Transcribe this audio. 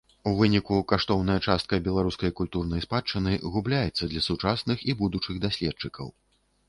У выніку, каштоўная частка беларускай культурнай спадчыны губляецца для сучасных і будучых даследчыкаў.